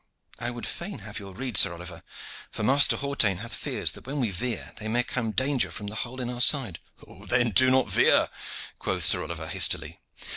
"I would fain have your rede, Sir Oliver, for Master Hawtayne hath fears that when we veer there may come danger from the hole in our side." "Then do not veer," quoth Sir Oliver hastily.